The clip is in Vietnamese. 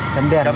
chấm đèn rồi